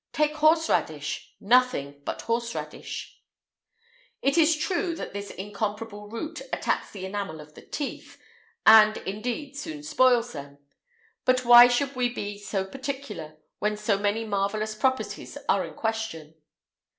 Take horse radish, nothing but horse radish.[IX 181] It is true that this incomparable root attacks the enamel of the teeth, and, indeed, soon spoils them;[IX 182] but why should we be so particular when so many marvellous properties are in question?